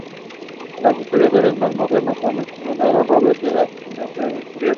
Los historiadores más modernos han exonerado a Robert Dudley de asesinato o de encubrimiento.